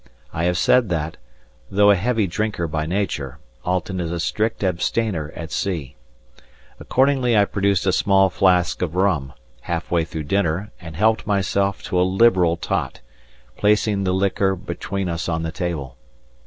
I have said that, though a heavy drinker by nature, Alten is a strict abstainer at sea. Accordingly I produced a small flask of rum, half way through dinner, and helped myself to a liberal tot, placing the liquor between us on the table.